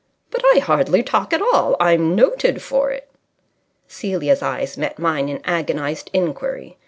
But I hardly talk at all. I'm noted for it." Celia's eyes met mine in agonized inquiry.